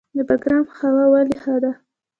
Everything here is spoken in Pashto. د بګرام هوا ولې ښه ده؟